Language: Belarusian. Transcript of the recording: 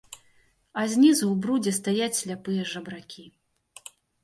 А знізу ў брудзе стаяць сляпыя жабракі.